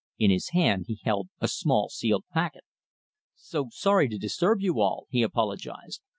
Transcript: In his hand he held a small sealed packet. "So sorry to disturb you all," he apologised.